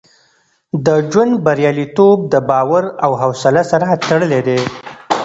د ژوند بریالیتوب د باور او حوصله سره تړلی دی.